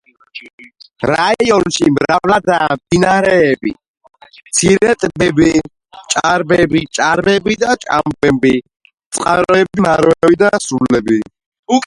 რაიონში მრავლადაა მდინარეები, ჭაობები, მცირე ტბები და წყაროები, რომელბიც ოდითგანვე დიდ როლს ასრულებდნენ